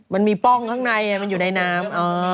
มันมีป้องข้างในอยู่ในน้ำ